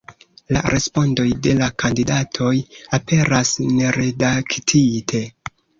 La respondoj de la kandidatoj aperas neredaktite.